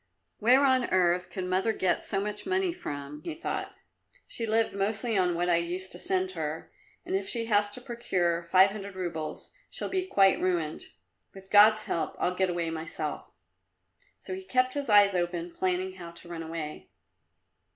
"Where on earth could mother get so much money from?" he thought. "She lived mostly on what I used to send her, and if she has to procure five hundred roubles she'll be quite ruined. With God's help I'll get away myself." So he kept his eyes open, planning how to run away.